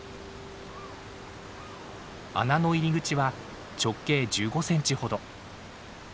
穴の入り口は直径１５センチほど。